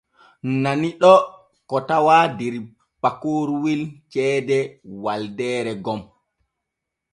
Nani ɗoo ko tawaa der pakoroowel ceede Waldeeree gom.